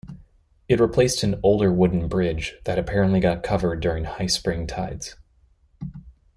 It replaced an older wooden bridge that apparently got covered during high Spring tides.